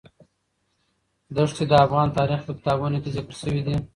ښتې د افغان تاریخ په کتابونو کې ذکر شوی دي.